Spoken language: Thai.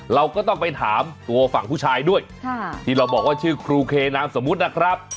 เราก็ต้องไปถามตัวฝั่งผู้ชายด้วยที่เราบอกว่าชื่อครูเคนามสมมุตินะครับ